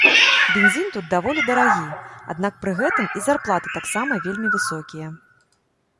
Бензін тут даволі дарагі, аднак, пры гэтым і зарплаты таксама вельмі высокія.